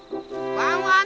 ワンワン